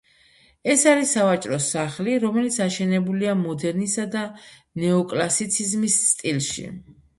ეს არის სავაჭრო სახლი, რომელიც აშენებულია მოდერნისა და ნეოკლასიციზმის სტილში.